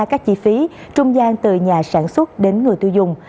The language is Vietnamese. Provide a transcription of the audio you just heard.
các chi phí trung gian từ nhà sản xuất đến người tiêu dùng